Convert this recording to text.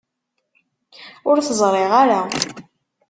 Ur t-ẓriɣ ara.